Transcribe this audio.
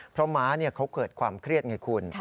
เพราะม้าเขาเกิดความเครียดไงคุณ